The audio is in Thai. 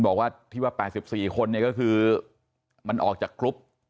บอกว่าที่ว่า๘๔คนเนี่ยก็คือมันออกจากกรุ๊ป